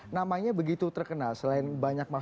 namanya begitu terkenal selain banyak masalah